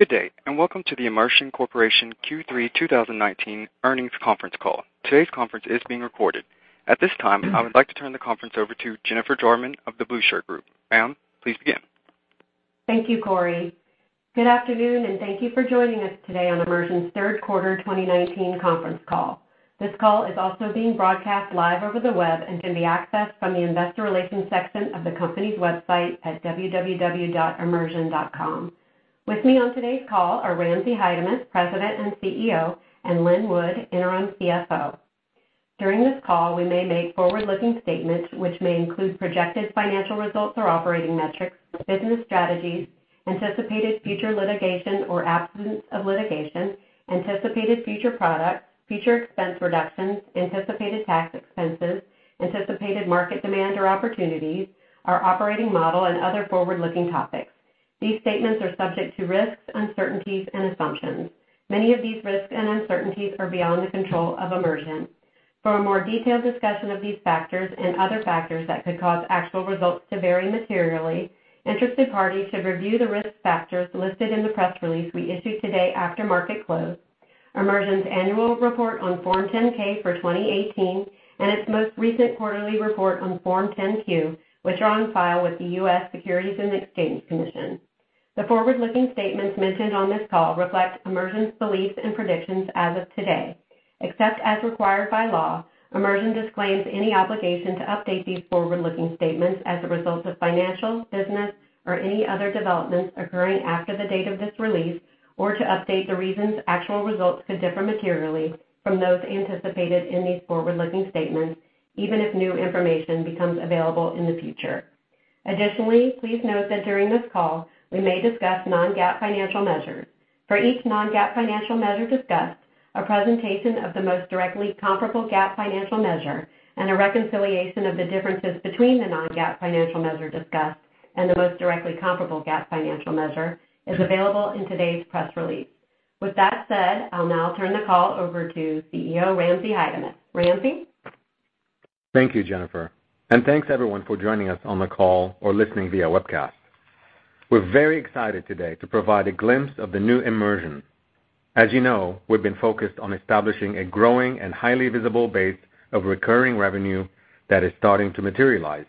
Good day, welcome to the Immersion Corporation Q3 2019 earnings conference call. Today's conference is being recorded. At this time, I would like to turn the conference over to Jennifer Jarman of The Blueshirt Group. Ma'am, please begin. Thank you, Corey. Good afternoon, and thank you for joining us today on Immersion's third quarter 2019 conference call. This call is also being broadcast live over the web and can be accessed from the investor relations section of the company's website at www.immersion.com. With me on today's call are Ramzi Haidamus, President and CEO, and Len Wood, interim CFO. During this call, we may make forward-looking statements which may include projected financial results or operating metrics, business strategies, anticipated future litigation or absence of litigation, anticipated future products, future expense reductions, anticipated tax expenses, anticipated market demand or opportunities, our operating model, and other forward-looking topics. These statements are subject to risks, uncertainties and assumptions. Many of these risks and uncertainties are beyond the control of Immersion. For a more detailed discussion of these factors and other factors that could cause actual results to vary materially, interested parties should review the risk factors listed in the press release we issue today after market close, Immersion's annual report on Form 10-K for 2018, and its most recent quarterly report on Form 10-Q, which are on file with the US Securities and Exchange Commission. The forward-looking statements mentioned on this call reflect Immersion's beliefs and predictions as of today. Except as required by law, Immersion disclaims any obligation to update these forward-looking statements as a result of financial, business, or any other developments occurring after the date of this release, or to update the reasons actual results could differ materially from those anticipated in these forward-looking statements, even if new information becomes available in the future. Additionally, please note that during this call, we may discuss non-GAAP financial measures. For each non-GAAP financial measure discussed, a presentation of the most directly comparable GAAP financial measure and a reconciliation of the differences between the non-GAAP financial measure discussed and the most directly comparable GAAP financial measure is available in today's press release. With that said, I'll now turn the call over to CEO Ramzi Haidamus. Ramzi? Thank you, Jennifer, and thanks everyone for joining us on the call or listening via webcast. We're very excited today to provide a glimpse of the new Immersion. As you know, we've been focused on establishing a growing and highly visible base of recurring revenue that is starting to materialize.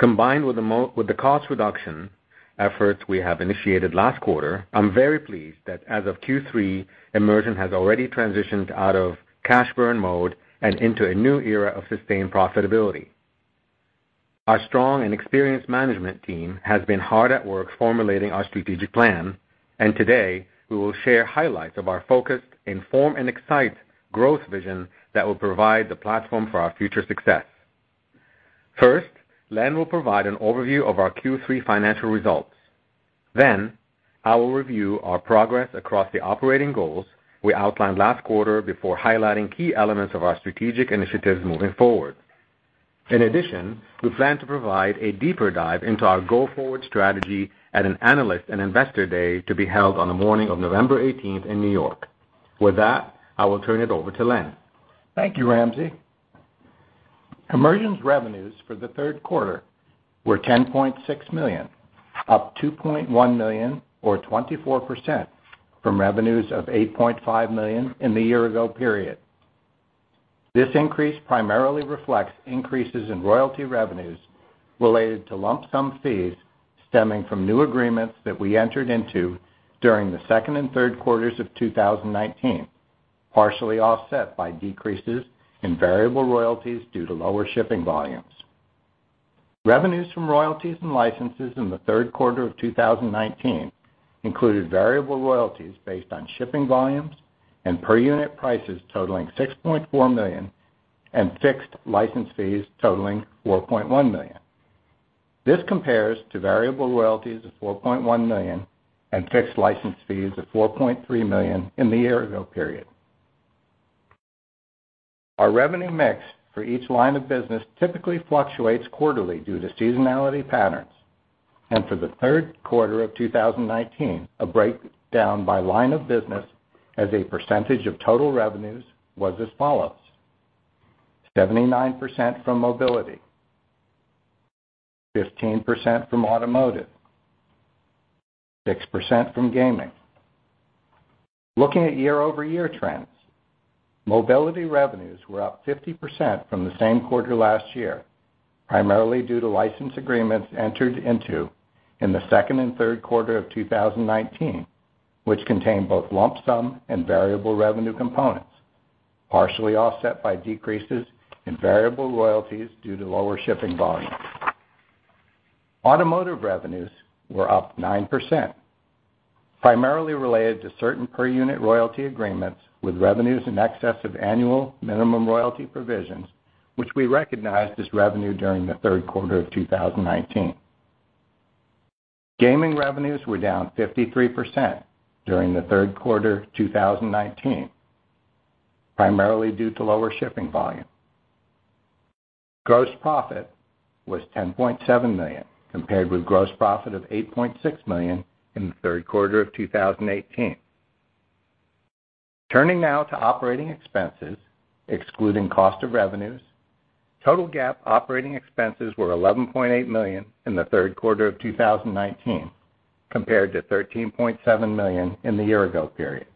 Combined with the cost reduction efforts we have initiated last quarter, I'm very pleased that as of Q3, Immersion has already transitioned out of cash burn mode and into a new era of sustained profitability. Our strong and experienced management team has been hard at work formulating our strategic plan, and today, we will share highlights of our focused Inform and Excite growth vision that will provide the platform for our future success. First, Len will provide an overview of our Q3 financial results. I will review our progress across the operating goals we outlined last quarter before highlighting key elements of our strategic initiatives moving forward. In addition, we plan to provide a deeper dive into our go-forward strategy at an analyst and investor day to be held on the morning of November 18th in New York. With that, I will turn it over to Len. Thank you, Ramzi. Immersion's revenues for the third quarter were $10.6 million, up $2.1 million or 24% from revenues of $8.5 million in the year ago period. This increase primarily reflects increases in royalty revenues related to lump sum fees stemming from new agreements that we entered into during the second and third quarters of 2019, partially offset by decreases in variable royalties due to lower shipping volumes. Revenues from royalties and licenses in the third quarter of 2019 included variable royalties based on shipping volumes and per unit prices totaling $6.4 million, and fixed license fees totaling $4.1 million. This compares to variable royalties of $4.1 million and fixed license fees of $4.3 million in the year ago period. Our revenue mix for each line of business typically fluctuates quarterly due to seasonality patterns. For the third quarter of 2019, a breakdown by line of business as a percentage of total revenues was as follows: 79% from mobility, 15% from automotive, 6% from gaming. Looking at year-over-year trends, mobility revenues were up 50% from the same quarter last year, primarily due to license agreements entered into in the second and third quarter of 2019, which contained both lump sum and variable revenue components, partially offset by decreases in variable royalties due to lower shipping volumes. Automotive revenues were up 9%, primarily related to certain per unit royalty agreements with revenues in excess of annual minimum royalty provisions, which we recognized as revenue during the third quarter of 2019. Gaming revenues were down 53% during the third quarter 2019, primarily due to lower shipping volume. Gross profit was $10.7 million, compared with gross profit of $8.6 million in the third quarter of 2018. Turning now to operating expenses, excluding cost of revenues, total GAAP operating expenses were $11.8 million in the third quarter of 2019, compared to $13.7 million in the year ago period.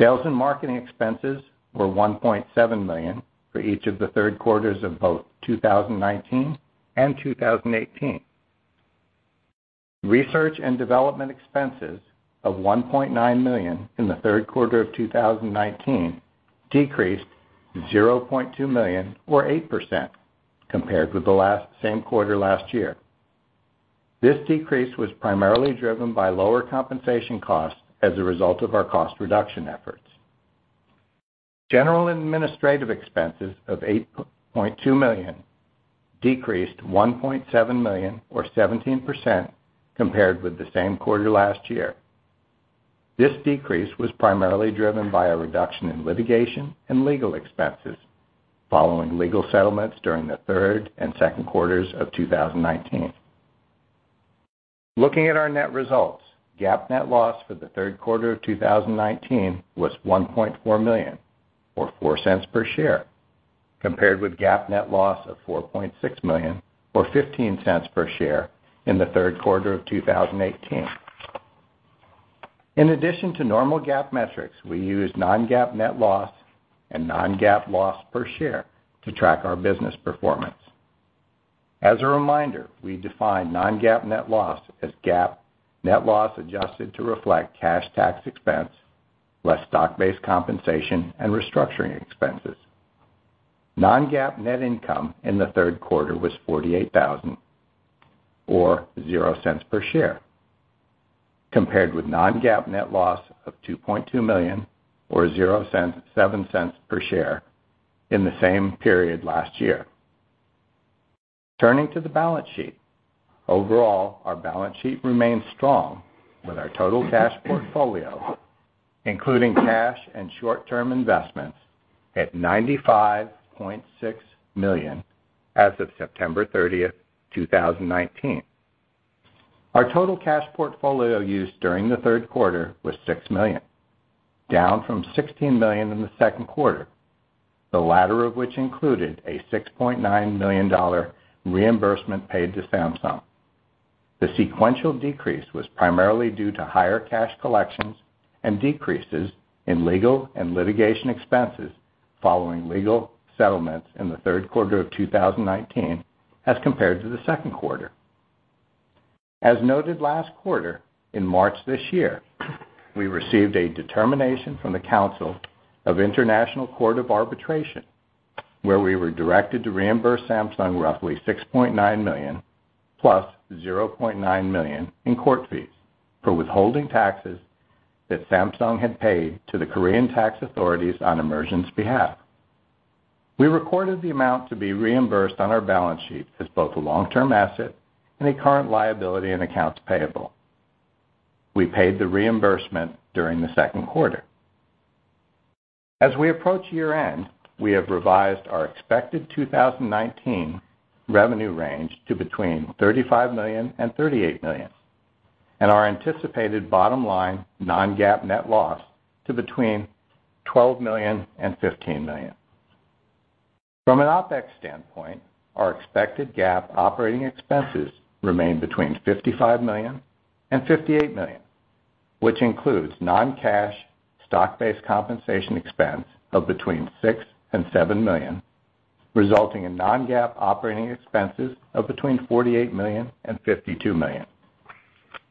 Sales and marketing expenses were $1.7 million for each of the third quarters of both 2019 and 2018. Research and development expenses of $1.9 million in the third quarter of 2019 decreased to $0.2 million, or 8%, compared with the last same quarter last year. This decrease was primarily driven by lower compensation costs as a result of our cost reduction efforts. General and administrative expenses of $8.2 million decreased $1.7 million, or 17%, compared with the same quarter last year. This decrease was primarily driven by a reduction in litigation and legal expenses following legal settlements during the third and second quarters of 2019. Looking at our net results, GAAP net loss for the third quarter of 2019 was $1.4 million, or $0.04 per share, compared with GAAP net loss of $4.6 million, or $0.15 per share in the third quarter of 2018. In addition to normal GAAP metrics, we use non-GAAP net loss and non-GAAP loss per share to track our business performance. As a reminder, we define non-GAAP net loss as GAAP net loss adjusted to reflect cash tax expense, less stock-based compensation and restructuring expenses. Non-GAAP net income in the third quarter was $48,000, or zero cents per share, compared with non-GAAP net loss of $2.2 million, or $0.07 per share in the same period last year. Turning to the balance sheet. Overall, our balance sheet remains strong with our total cash portfolio, including cash and short-term investments at $95.6 million as of September 30th, 2019. Our total cash portfolio used during the third quarter was $6 million, down from $16 million in the second quarter, the latter of which included a $6.9 million reimbursement paid to Samsung. The sequential decrease was primarily due to higher cash collections and decreases in legal and litigation expenses following legal settlements in the third quarter of 2019 as compared to the second quarter. As noted last quarter, in March this year, we received a determination from the council of International Court of Arbitration, where we were directed to reimburse Samsung roughly $6.9 million plus $0.9 million in court fees for withholding taxes that Samsung had paid to the Korean tax authorities on Immersion's behalf. We recorded the amount to be reimbursed on our balance sheet as both a long-term asset and a current liability in accounts payable. We paid the reimbursement during the second quarter. As we approach year-end, we have revised our expected 2019 revenue range to between $35 million and $38 million, and our anticipated bottom line non-GAAP net loss to between $12 million and $15 million. From an OpEx standpoint, our expected GAAP operating expenses remain between $55 million and $58 million, which includes non-cash stock-based compensation expense of between $6 million and $7 million, resulting in non-GAAP operating expenses of between $48 million and $52 million.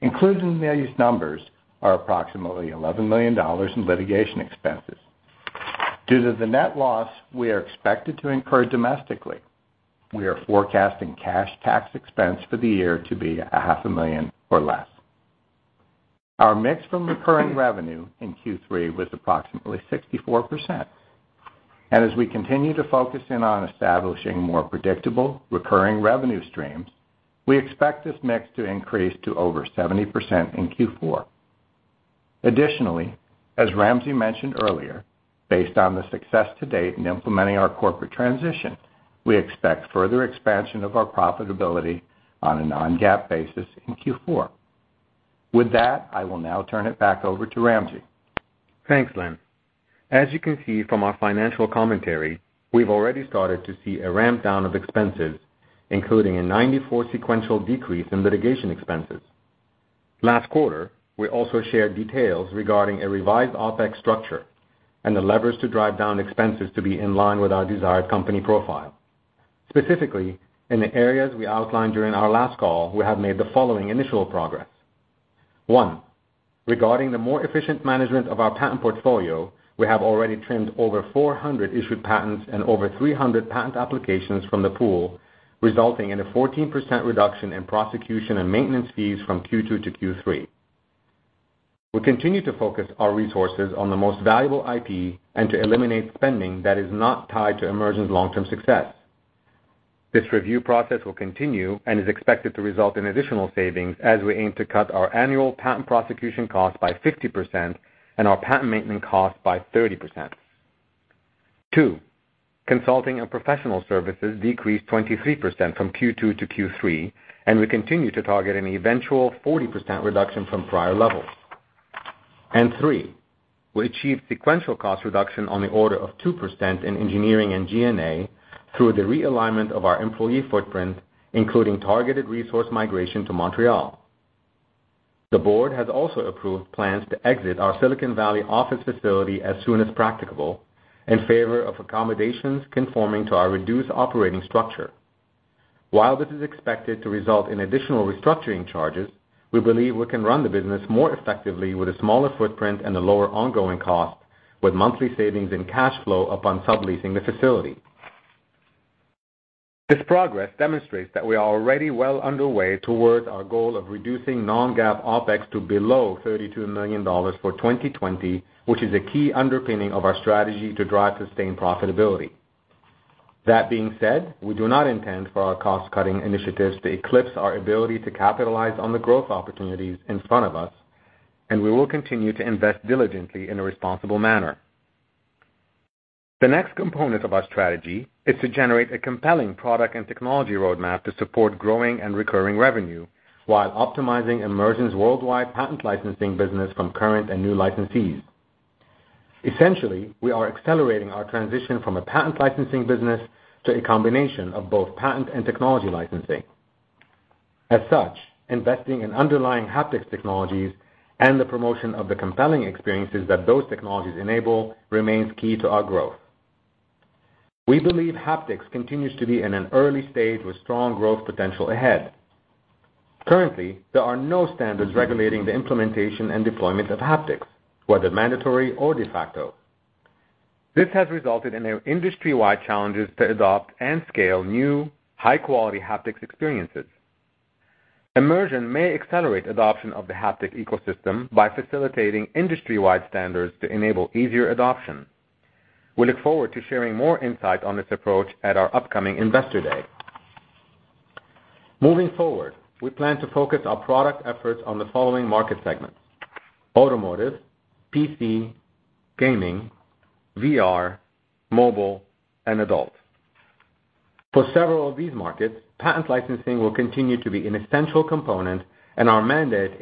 Included in these numbers are approximately $11 million in litigation expenses. Due to the net loss we are expected to incur domestically, we are forecasting cash tax expense for the year to be a half a million or less. Our mix from recurring revenue in Q3 was approximately 64%. As we continue to focus in on establishing more predictable, recurring revenue streams, we expect this mix to increase to over 70% in Q4. Additionally, as Ramzi mentioned earlier, based on the success to date in implementing our corporate transition, we expect further expansion of our profitability on a non-GAAP basis in Q4. With that, I will now turn it back over to Ramzi. Thanks, Len. As you can see from our financial commentary, we've already started to see a ramp down of expenses, including a 94% sequential decrease in litigation expenses. Last quarter, we also shared details regarding a revised OpEx structure and the levers to drive down expenses to be in line with our desired company profile. Specifically, in the areas we outlined during our last call, we have made the following initial progress. One, regarding the more efficient management of our patent portfolio, we have already trimmed over 400 issued patents and over 300 patent applications from the pool, resulting in a 14% reduction in prosecution and maintenance fees from Q2 to Q3. We continue to focus our resources on the most valuable IP and to eliminate spending that is not tied to Immersion's long-term success. This review process will continue and is expected to result in additional savings as we aim to cut our annual patent prosecution cost by 50% and our patent maintenance cost by 30%. Two, consulting and professional services decreased 23% from Q2 to Q3, and we continue to target an eventual 40% reduction from prior levels. Three, we achieved sequential cost reduction on the order of 2% in engineering and G&A through the realignment of our employee footprint, including targeted resource migration to Montreal. The board has also approved plans to exit our Silicon Valley office facility as soon as practicable in favor of accommodations conforming to our reduced operating structure. While this is expected to result in additional restructuring charges, we believe we can run the business more effectively with a smaller footprint and a lower ongoing cost, with monthly savings and cash flow upon subleasing the facility. This progress demonstrates that we are already well underway towards our goal of reducing non-GAAP OpEx to below $32 million for 2020, which is a key underpinning of our strategy to drive sustained profitability. That being said, we do not intend for our cost-cutting initiatives to eclipse our ability to capitalize on the growth opportunities in front of us, and we will continue to invest diligently in a responsible manner. The next component of our strategy is to generate a compelling product and technology roadmap to support growing and recurring revenue while optimizing Immersion's worldwide patent licensing business from current and new licensees. Essentially, we are accelerating our transition from a patent licensing business to a combination of both patent and technology licensing. As such, investing in underlying haptics technologies and the promotion of the compelling experiences that those technologies enable remains key to our growth. We believe haptics continues to be in an early stage with strong growth potential ahead. Currently, there are no standards regulating the implementation and deployment of haptics, whether mandatory or de facto. This has resulted in industry-wide challenges to adopt and scale new, high-quality haptics experiences. Immersion may accelerate adoption of the haptics ecosystem by facilitating industry-wide standards to enable easier adoption. We look forward to sharing more insight on this approach at our upcoming Investor Day. Moving forward, we plan to focus our product efforts on the following market segments: automotive, PC, gaming, VR, mobile, and adult. For several of these markets, patent licensing will continue to be an essential component, and our mandate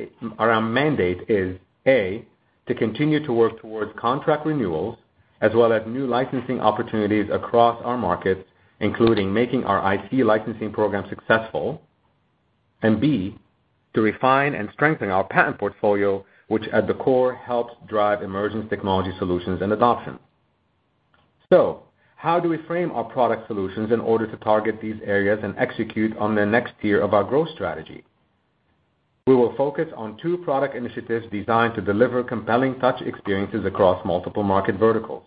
is, A, to continue to work towards contract renewals as well as new licensing opportunities across our markets, including making our IP licensing program successful. And B, to refine and strengthen our patent portfolio, which at the core helps drive Immersion's technology solutions and adoption. How do we frame our product solutions in order to target these areas and execute on the next tier of our growth strategy? We will focus on two product initiatives designed to deliver compelling touch experiences across multiple market verticals.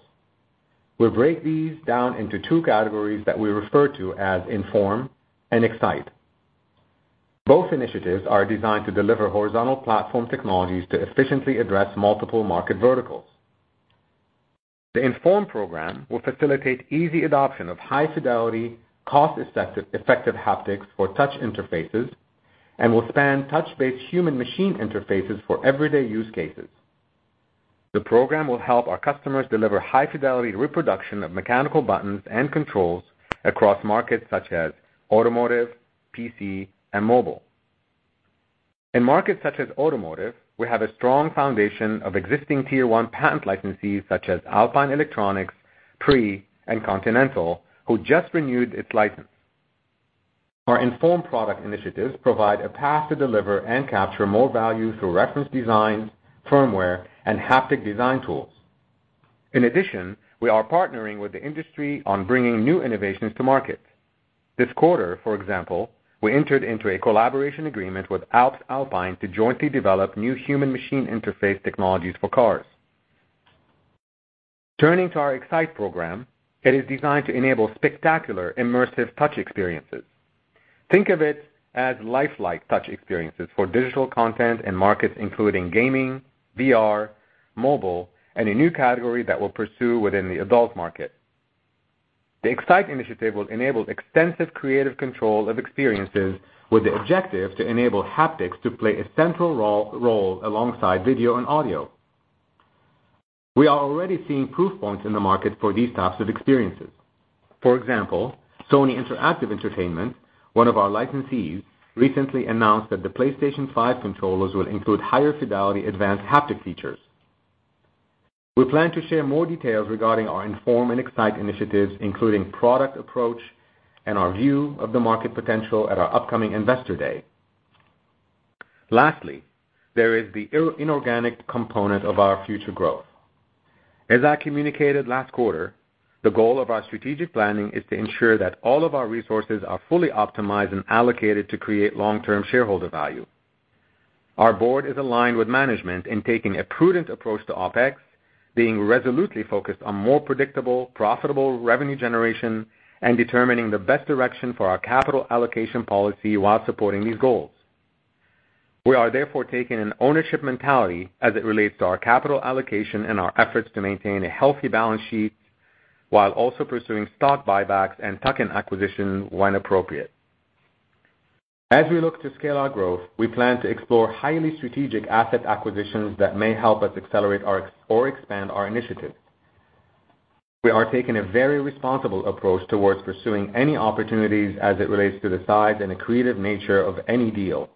We'll break these down into two categories that we refer to as Inform and Excite. Both initiatives are designed to deliver horizontal platform technologies to efficiently address multiple market verticals. The Inform program will facilitate easy adoption of high-fidelity, cost-effective haptics for touch interfaces and will span touch-based human-machine interfaces for everyday use cases. The program will help our customers deliver high-fidelity reproduction of mechanical buttons and controls across markets such as automotive, PC, and mobile. In markets such as automotive, we have a strong foundation of existing Tier 1 patent licensees such as Alpine Electronics, Preh, and Continental, who just renewed its license. Our Inform product initiatives provide a path to deliver and capture more value through reference designs, firmware, and haptic design tools. In addition, we are partnering with the industry on bringing new innovations to market. This quarter, for example, we entered into a collaboration agreement with Alps Alpine to jointly develop new human-machine interface technologies for cars. Turning to our Excite program, it is designed to enable spectacular immersive touch experiences. Think of it as lifelike touch experiences for digital content and markets, including gaming, VR, mobile, and a new category that we'll pursue within the adult market. The Excite initiative will enable extensive creative control of experiences with the objective to enable haptics to play a central role alongside video and audio. We are already seeing proof points in the market for these types of experiences. For example, Sony Interactive Entertainment, one of our licensees, recently announced that the PlayStation 5 controllers will include higher fidelity advanced haptic features. We plan to share more details regarding our Inform and Excite initiatives, including product approach and our view of the market potential at our upcoming Investor Day. Lastly, there is the inorganic component of our future growth. As I communicated last quarter, the goal of our strategic planning is to ensure that all of our resources are fully optimized and allocated to create long-term shareholder value. Our board is aligned with management in taking a prudent approach to OpEx, being resolutely focused on more predictable, profitable revenue generation, and determining the best direction for our capital allocation policy while supporting these goals. We are therefore taking an ownership mentality as it relates to our capital allocation and our efforts to maintain a healthy balance sheet, while also pursuing stock buybacks and tuck-in acquisition when appropriate. As we look to scale our growth, we plan to explore highly strategic asset acquisitions that may help us accelerate or expand our initiatives. We are taking a very responsible approach towards pursuing any opportunities as it relates to the size and accretive nature of any deal,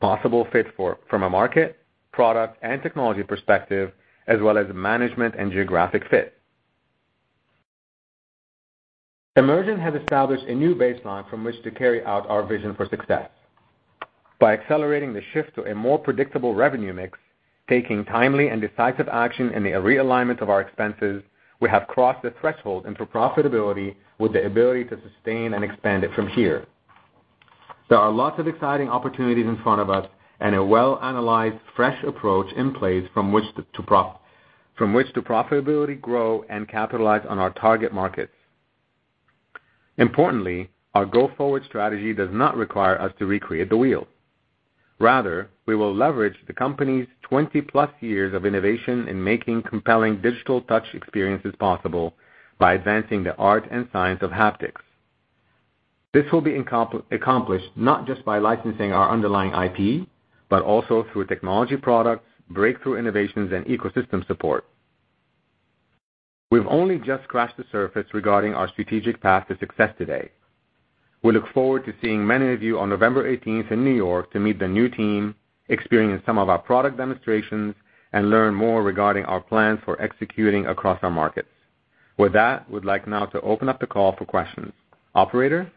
possible fit from a market, product, and technology perspective, as well as management and geographic fit. Immersion has established a new baseline from which to carry out our vision for success. By accelerating the shift to a more predictable revenue mix, taking timely and decisive action in the realignment of our expenses, we have crossed the threshold into profitability with the ability to sustain and expand it from here. There are lots of exciting opportunities in front of us, and a well-analyzed, fresh approach in place from which to profitably grow and capitalize on our target markets. Importantly, our go-forward strategy does not require us to recreate the wheel. Rather, we will leverage the company's 20-plus years of innovation in making compelling digital touch experiences possible by advancing the art and science of haptics. This will be accomplished not just by licensing our underlying IP, but also through technology products, breakthrough innovations, and ecosystem support. We've only just scratched the surface regarding our strategic path to success today. We look forward to seeing many of you on November 18th in New York to meet the new team, experience some of our product demonstrations, and learn more regarding our plans for executing across our markets. With that, we'd like now to open up the call for questions. Operator?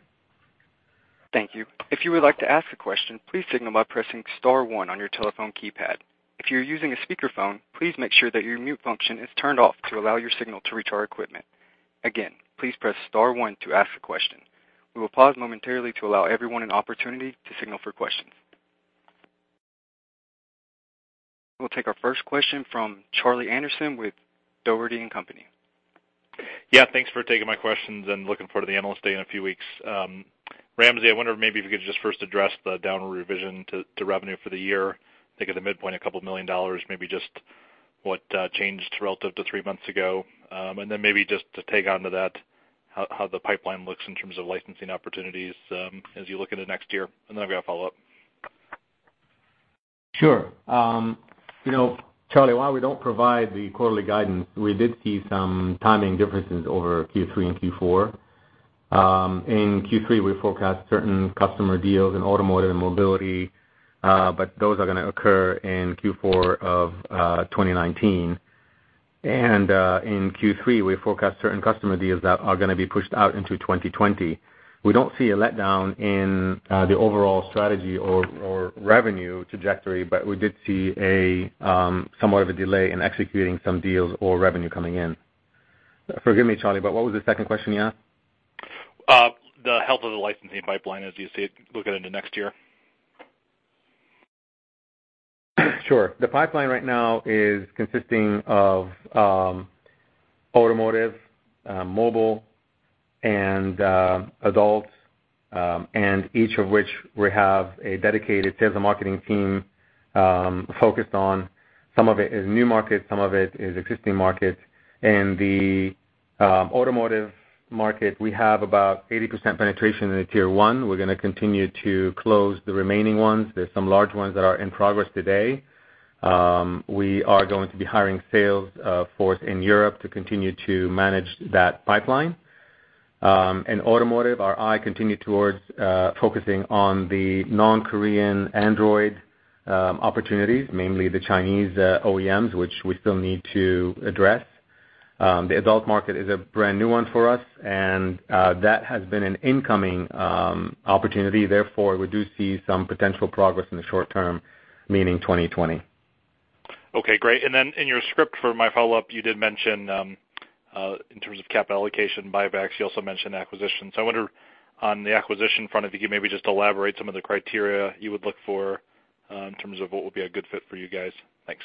Thank you. If you would like to ask a question, please signal by pressing star one on your telephone keypad. If you're using a speakerphone, please make sure that your mute function is turned off to allow your signal to reach our equipment. Again, please press star one to ask a question. We will pause momentarily to allow everyone an opportunity to signal for questions. We'll take our first question from Charlie Anderson with Dougherty & Company. Yeah, thanks for taking my questions and looking forward to the Analyst Day in a few weeks. Ramzi, I wonder maybe if you could just first address the downward revision to revenue for the year. I think at the midpoint, a couple million dollars, maybe just what changed relative to three months ago. Then maybe just to tag onto that, how the pipeline looks in terms of licensing opportunities as you look into next year. Then I've got a follow-up. Sure. Charlie, while we don't provide the quarterly guidance, we did see some timing differences over Q3 and Q4. In Q3, we forecast certain customer deals in automotive and mobility, but those are gonna occur in Q4 of 2019. In Q3, we forecast certain customer deals that are gonna be pushed out into 2020. We don't see a letdown in the overall strategy or revenue trajectory, but we did see somewhat of a delay in executing some deals or revenue coming in. Forgive me, Charlie, but what was the second question you asked? The health of the licensing pipeline as you look into next year. Sure. The pipeline right now is consisting of automotive, mobile, and IoT, each of which we have a dedicated sales and marketing team focused on. Some of it is new markets, some of it is existing markets. In the automotive market, we have about 80% penetration in Tier 1. We're gonna continue to close the remaining ones. There's some large ones that are in progress today. We are going to be hiring sales force in Europe to continue to manage that pipeline. In automotive, our eye continue towards focusing on the non-Korean Android opportunities, mainly the Chinese OEMs, which we still need to address. The IoT market is a brand-new one for us. That has been an incoming opportunity. Therefore, we do see some potential progress in the short term, meaning 2020. Okay, great. In your script for my follow-up, you did mention in terms of capital allocation, buybacks, you also mentioned acquisitions. I wonder on the acquisition front, if you could maybe just elaborate some of the criteria you would look for in terms of what would be a good fit for you guys. Thanks.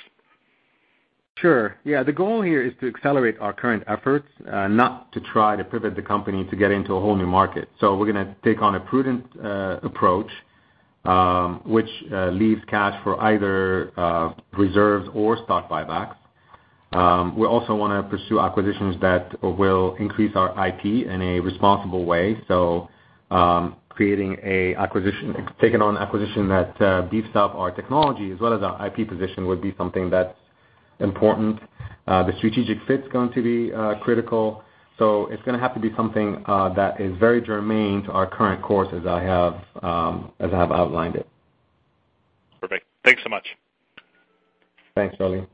Sure. Yeah, the goal here is to accelerate our current efforts, not to try to pivot the company to get into a whole new market. We're gonna take on a prudent approach, which leaves cash for either reserves or stock buybacks. We also want to pursue acquisitions that will increase our IP in a responsible way. Taking on acquisition that beefs up our technology as well as our IP position would be something that's important. The strategic fit's going to be critical, so it's gonna have to be something that is very germane to our current course as I have outlined it. Perfect. Thanks so much. Thanks, Charlie.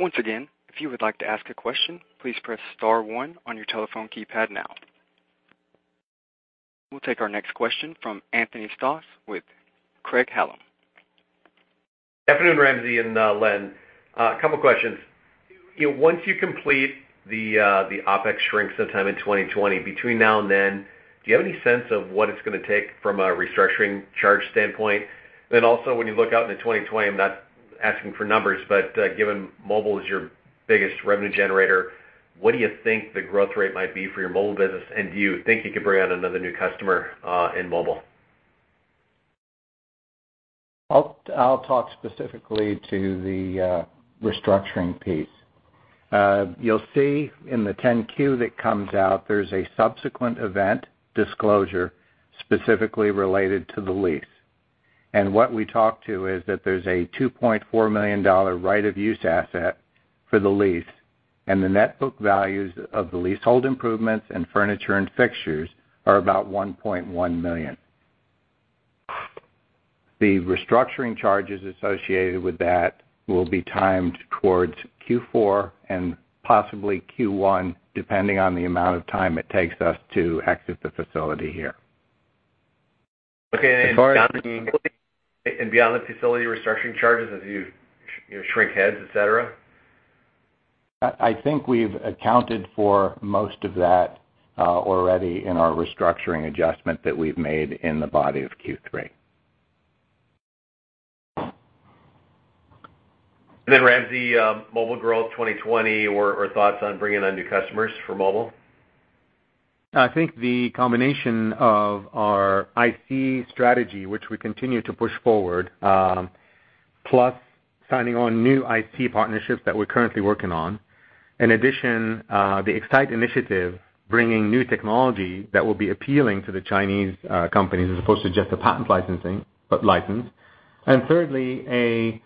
Once again, if you would like to ask a question, please press star one on your telephone keypad now. We'll take our next question from Anthony Stoss with Craig-Hallum. Good afternoon, Ramzi and Len. A couple questions. Once you complete the OpEx shrink sometime in 2020, between now and then, do you have any sense of what it's gonna take from a restructuring charge standpoint? When you look out into 2020, I'm not asking for numbers, but given mobile is your biggest revenue generator, what do you think the growth rate might be for your mobile business, and do you think you can bring on another new customer in mobile? I'll talk specifically to the restructuring piece. You'll see in the 10-Q that comes out, there's a subsequent event disclosure specifically related to the lease. What we talk to is that there's a $2.4 million right of use asset for the lease, and the net book values of the leasehold improvements in furniture and fixtures are about $1.1 million. The restructuring charges associated with that will be timed towards Q4 and possibly Q1, depending on the amount of time it takes us to exit the facility here. Okay. Beyond the facility restructuring charges as you shrink heads, et cetera? I think we've accounted for most of that already in our restructuring adjustment that we've made in the body of Q3. Ramzi, mobile growth 2020 or thoughts on bringing on new customers for mobile? I think the combination of our IP strategy, which we continue to push forward, plus signing on new IP partnerships that we're currently working on. In addition, the Excite Initiative, bringing new technology that will be appealing to the Chinese companies as opposed to just a patent license. Thirdly, a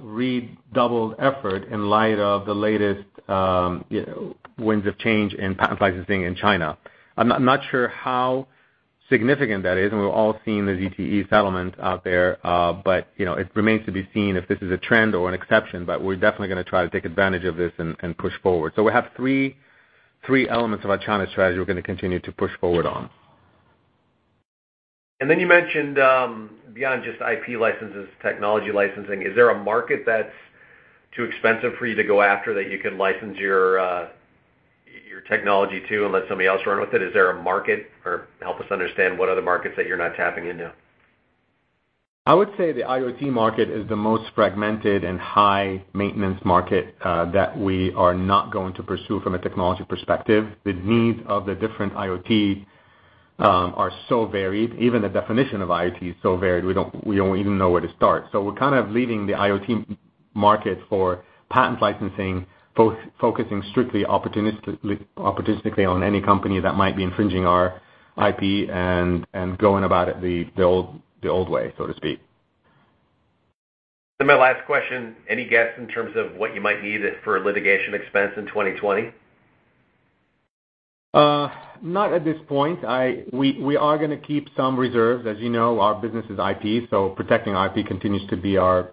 redoubled effort in light of the latest winds of change in patent licensing in China. I'm not sure how significant that is, and we've all seen the ZTE settlement out there. It remains to be seen if this is a trend or an exception, but we're definitely going to try to take advantage of this and push forward. We have three elements of our China strategy we're going to continue to push forward on. You mentioned beyond just IP licenses, technology licensing, is there a market that's too expensive for you to go after that you could license your technology too, and let somebody else run with it? Is there a market, or help us understand what other markets that you're not tapping into? I would say the IoT market is the most fragmented and high-maintenance market that we are not going to pursue from a technology perspective. The needs of the different IoT are so varied. Even the definition of IoT is so varied, we don't even know where to start. We're kind of leaving the IoT market for patent licensing, focusing strictly opportunistically on any company that might be infringing our IP and going about it the old way, so to speak. My last question, any guess in terms of what you might need for litigation expense in 2020? Not at this point. We are going to keep some reserves. As you know, our business is IP. Protecting IP continues to be one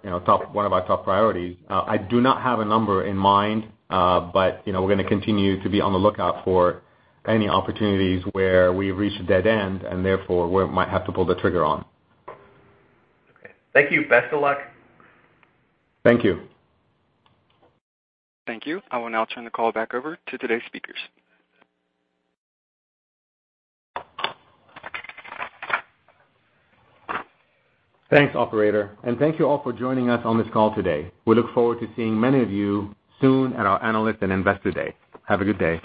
of our top priorities. I do not have a number in mind. We're going to continue to be on the lookout for any opportunities where we've reached a dead end and therefore we might have to pull the trigger on. Okay. Thank you. Best of luck. Thank you. Thank you. I will now turn the call back over to today's speakers. Thanks, operator, and thank you all for joining us on this call today. We look forward to seeing many of you soon at our Analyst and Investor Day. Have a good day.